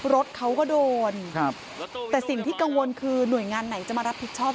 รถเขาก็โดนครับแต่สิ่งที่กังวลคือหน่วยงานไหนจะมารับผิดชอบ